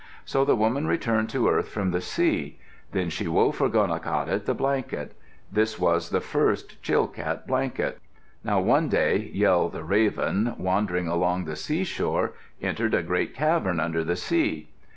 So the woman returned to earth from the sea. Then she wove for Gonaqadet the blanket. This was the first Chilkat blanket. Now one day Yel, the Raven, wandering along the seashore, entered a great cavern under the sea.